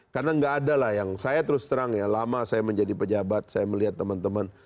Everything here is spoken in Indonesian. karena nggak ada lah yang saya terus terang ya lama saya menjadi pejabat saya melihat teman teman